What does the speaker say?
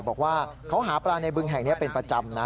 บอกว่าเขาหาปลาในบึงแห่งนี้เป็นประจำนะ